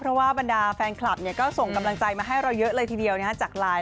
เพราะว่าบรรดาแฟนคลับก็ส่งกำลังใจมาให้เราเยอะเลยทีเดียวจากไลน์